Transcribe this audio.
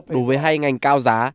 đủ với hai ngành cao giá